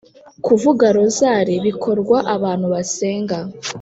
kuvuga rozari bikorwa abantu basenga,